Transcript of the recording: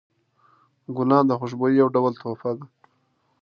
ګلان د خوشبویۍ یو ډول تحفه ده.